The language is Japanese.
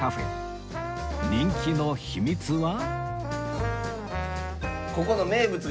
人気の秘密は